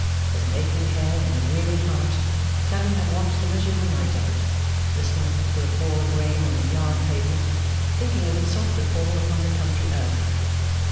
With an aching head and a weary heart, Clennam had watched the miserable night out, listening to the fall of rain on the yard pavement, thinking of its softer fall upon the country earth.